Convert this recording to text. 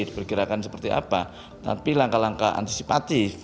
diperkirakan seperti apa tapi langkah langkah antisipatif